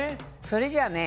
それじゃあね